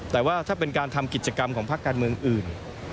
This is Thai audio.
แต่ว่าถ้าเป็นการทำกิจกรรมของพักการเมืองอื่น